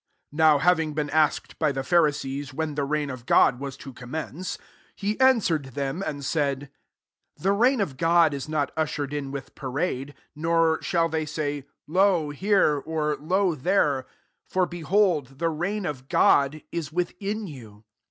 20 NOW having been asked by the Pharisees, when the reign of God was to commence^ he answered them and said, '* The reign of God is not ush* ered in with parade; 21 Nor shall they say, lo, here ! or lo^ there 2 for, behold the reign cS God is within you."